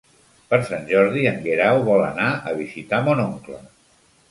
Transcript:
Per Sant Jordi en Guerau vol anar a visitar mon oncle.